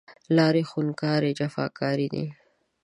لارې خونکارې، جفاکارې دی